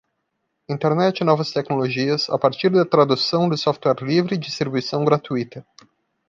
Internet e novas tecnologias, a partir da tradução de software livre e distribuição gratuita.